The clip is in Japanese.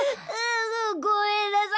ごごめんなさい。